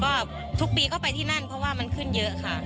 ก็ทุกปีก็ไปที่นั่นเพราะว่ามันขึ้นเยอะค่ะ